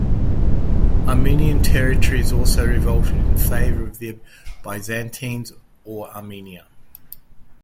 Armenian territories also revolted in favour of the Byzantines or Armenia.